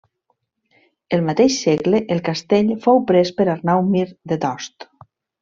El mateix segle el castell fou pres per Arnau Mir de Tost.